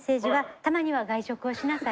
たまには外食をしなさい。